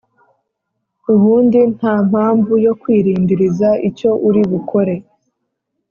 ubundi ntampamvu yo kwirindiriza icyo uri bukore”